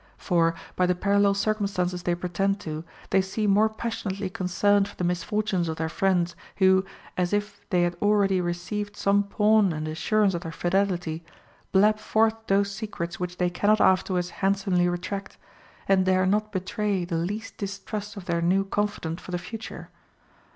For, by the parallel circumstances they pre 112 HOW TO KNOW A FLATTERER tend to, they seem more passionately concerned for the misfortunes of their friends, who, as if they had already received some pawn and assurance of their fidelity, blab forth those secrets which they cannot afterwards hand somely retract, and dare not betray the least distrust of their new confidant for the future.